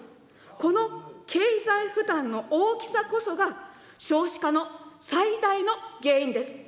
この経済負担の大きさこそが、少子化の最大の原因です。